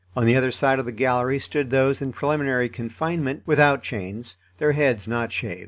On the other side of the gallery stood those in preliminary confinement, without chains, their heads not shaved.